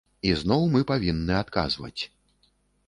І зноў мы павінны адказваць.